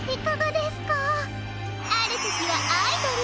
あるときはアイドル。